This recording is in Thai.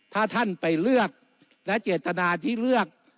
ถ้าท่านไปเลือกและเจตนาที่เลือก